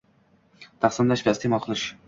taqsimlash va iste’mol qilish